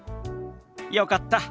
よかった。